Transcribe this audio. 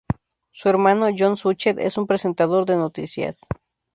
Su hermano, John Suchet es un presentador de noticias.